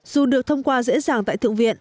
dù được thông qua dễ dàng tại thượng viện